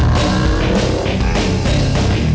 boleh gue coba bantu